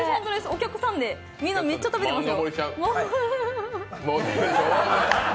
お客さんでみんなめっちゃ食べてますよ。